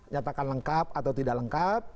nyatakan lengkap atau tidak lengkap